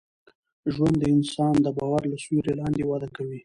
ژوند د انسان د باور له سیوري لاندي وده کوي.